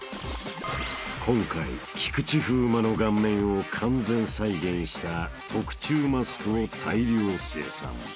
［今回菊池風磨の顔面を完全再現した特注マスクを大量生産］